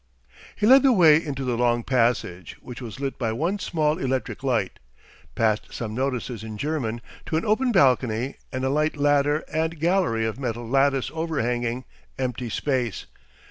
He led the way into the long passage, which was lit by one small electric light, past some notices in German, to an open balcony and a light ladder and gallery of metal lattice overhanging, empty space.